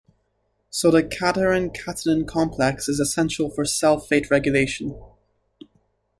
So the cadherin-catenin complex is essential for cell fate regulation.